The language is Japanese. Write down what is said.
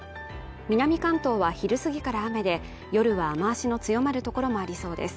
南関東は昼過ぎから雨で、夜は雨脚の強まるところもありそうです。